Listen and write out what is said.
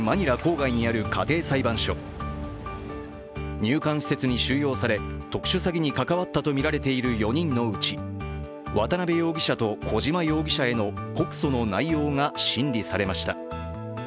入管施設に収容され、特殊詐欺に関わったとみられている４人のうち渡辺容疑者と小島容疑者への告訴の内容が審理されました。